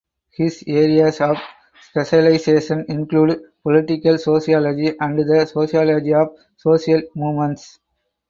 His areas of specialization include political sociology and the sociology of social movements.